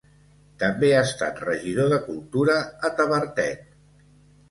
També ha estat regidor de cultura a Tavertet.